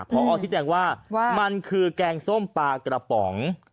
พอที่แจ้งว่ามันคือแกงส้มปลากระป๋อง